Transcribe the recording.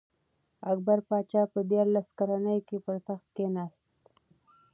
اکبر پاچا په دیارلس کلنۍ کي پر تخت کښېناست.